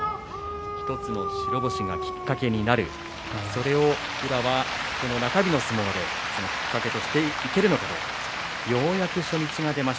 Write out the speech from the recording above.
１つ白星がきっかけになるそれは宇良が中日の相撲できっかけとしていけるのか。